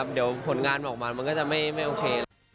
เดี๋ยวผลงานออกมามันก็จะไม่โอเคแล้ว